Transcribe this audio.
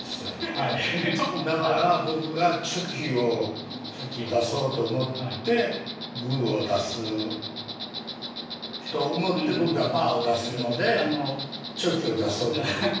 だから僕がチョキを出そうと思ってグーを出すと思って僕がパーを出すのでチョキを出そうと思って。